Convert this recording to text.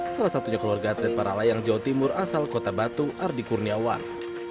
salah satunya keluarga atlet para layang jawa timur asal kota batu ardi kurniawan